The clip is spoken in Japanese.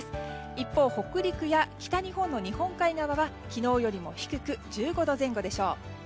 一方、北陸や北日本の日本海側は昨日よりも低く１５度前後でしょう。